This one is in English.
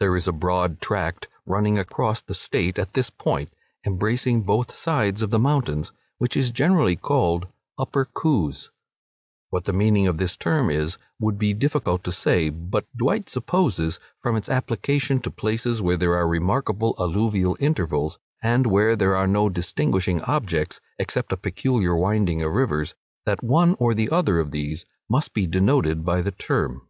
There is a broad tract running across the State at this point, embracing both sides of the mountains, which is generally called Upper Coos. What the meaning of this term is, would be difficult to say; but Dwight supposes, from its application to places where there are remarkable alluvial intervals, and where there are no distinguishing objects, except a peculiar winding of rivers, that one or the other of these must be denoted by the term.